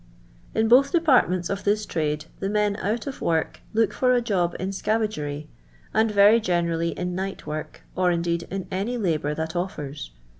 In both departments of this trade, the men out of work look for a job in I icavagery, and very generally in night work, or, ' indeed, in any labour that offers.